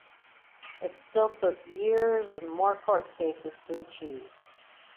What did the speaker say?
It still took years and more court cases to achieve.